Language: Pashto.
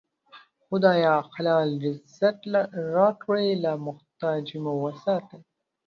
خدایه! حلال رزق راکړې، له محتاجۍ مو وساتې